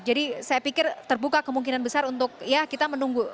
jadi saya pikir terbuka kemungkinan besar untuk ya kita menunggu